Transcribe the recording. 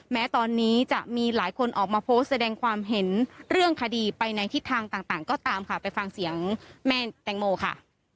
แม้ตอนนี้จะมีหลายคนออกมาโพสต์แสดงความเห็นเรื่องคดีไปในทิศทางต่างก็ตามค่ะไปฟังเสียงแม่แตงโมค่ะ